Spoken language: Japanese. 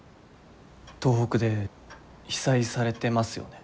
東北で被災されてますよね。